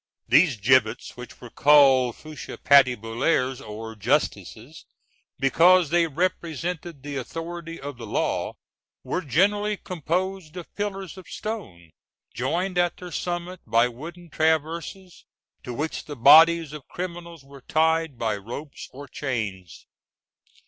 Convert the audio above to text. These gibbets, which were called fourches patibulaires or justices, because they represented the authority of the law, were generally composed of pillars of stone, joined at their summit by wooden traverses, to which the bodies of criminals were tied by ropes or chains.